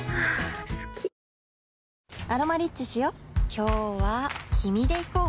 今日は君で行こう